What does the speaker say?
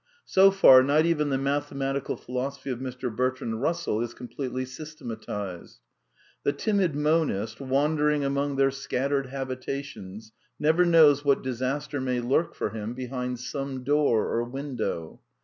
So far, not even the mathematical philosophy of Mr. Bertrand Eussell is completely systematized. The timid monist, wandering among their scattered habitations, never knows what disaster may lurk for him behind some door or win dow.